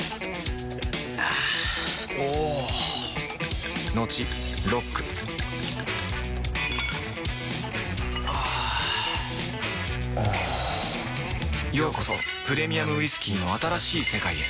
あぁおぉトクトクあぁおぉようこそプレミアムウイスキーの新しい世界へ